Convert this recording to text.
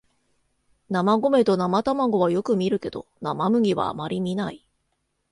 生米と生卵はよく見るけど生麦はあまり見ない